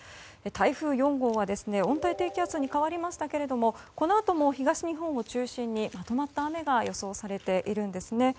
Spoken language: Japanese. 台風４号は温帯低気圧に変わりましたがこのあとも東日本を中心にまとまった雨が予想されているんですね。